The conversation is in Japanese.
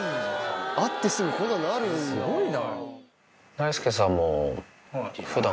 すごいな。